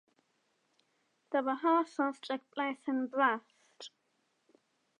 The rehearsals took place in Brest.